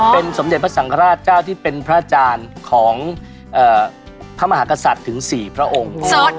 เป็นสมเด็จพระสังฆราชเจ้าที่เป็นพระอาจารย์ของพระมหากษัตริย์ถึง๔พระองค์